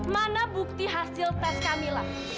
mana bukti hasil tes kamila